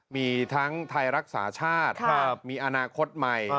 มีทั้งไทยรักษาชาติมีอนาคตใหม่